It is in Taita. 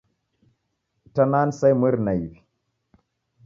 Itana ni saa imweri na iw'i.